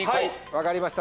分かりました。